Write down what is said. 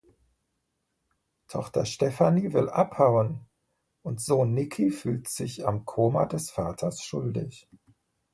Tochter Stefanie will abhauen und Sohn Niki fühlt sich am Koma des Vaters schuldig.